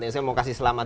saya mau kasih selamat